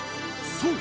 ［そう］